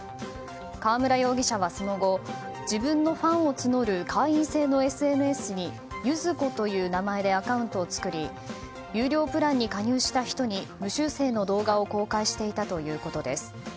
川村容疑者は、その後自分のファンを募る会員制のＳＮＳに柚子という名前でアカウントを作り有料プランに加入した人に無修正の動画を公開していたということです。